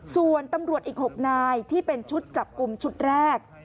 ส่วนตำรวจอีก๖นายที่เป็นชุดจับกลุ่มชุดแรก